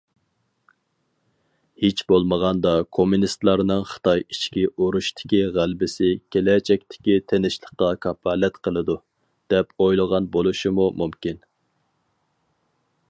ھېچ بولمىغاندا كوممۇنىستلارنىڭ خىتاي ئىچكى ئۇرۇشتىكى غەلىبىسى كېلەچەكتىكى تىنچلىققا كاپالەت قىلىدۇ، دەپ ئويلىغان بولۇشمۇ مۇمكىن.